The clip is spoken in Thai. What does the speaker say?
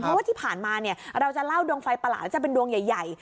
เพราะว่าที่ผ่านมาเราจะเล่าดวงไฟประหลาดแล้วจะเป็นดวงใหญ่